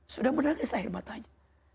sudah menangis akhir matanya